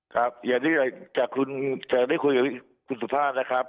ครับอย่างที่ได้คุยกับคุณสุภาพนะครับ